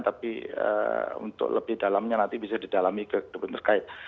tapi untuk lebih dalamnya nanti bisa didalami ke kebun terkait